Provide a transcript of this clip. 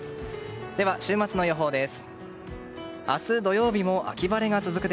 では、週末の予報です。